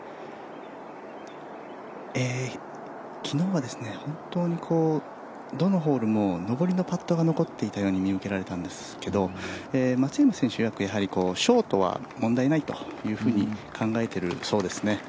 昨日は本当にどのホールも上りのパットが残っていたように見受けられたんですけど松山選手いわくショートは問題ないと考えているそうですね。